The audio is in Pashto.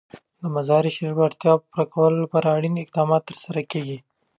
د مزارشریف د اړتیاوو پوره کولو لپاره اړین اقدامات ترسره کېږي.